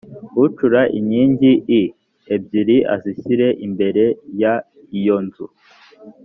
acura inkingi i ebyiri azishyira imbere y iyo nzu